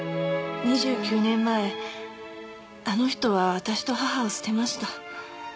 ２９年前あの人は私と母を捨てました。